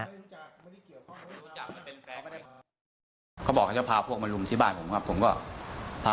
เค้าเอาของออกจากบ้านมาเลยครับ